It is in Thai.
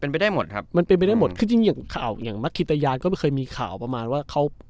เป็นไปได้หมดครับมันเป็นไปได้หมดคือจริงอย่างข่าวอย่างมักคิตยานก็ไม่เคยมีข่าวประมาณว่าเขา